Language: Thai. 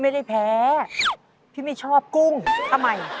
ทานค่ะ